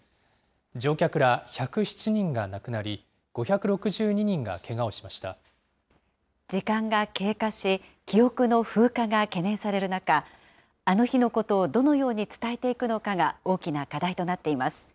乗客ら１０７人が亡くなり、時間が経過し、記憶の風化が懸念される中、あの日のことをどのように伝えていくのかが大きな課題となっています。